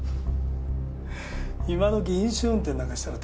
今どき飲酒運転なんかしたら大変でしょ。